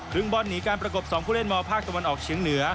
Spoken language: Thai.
ครึ่งบอลหนีการประกบ๒ผู้เล่นมอร์ภาคตะวันออกชิ้นเหนือ